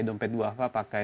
dompet guava pakai